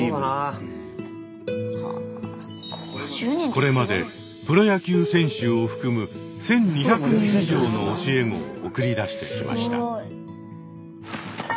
これまでプロ野球選手を含む１，２００人以上の教え子を送り出してきました。